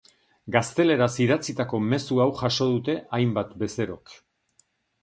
Gazteleraz idatzitako mezu hau jaso dute hainbat bezerok.